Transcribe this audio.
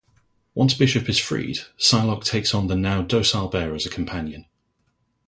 Once Bishop is freed, Psylocke takes on the now docile bear as a companion.